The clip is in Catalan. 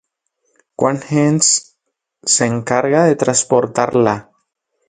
Quanta gent s'encarrega de transportar-la?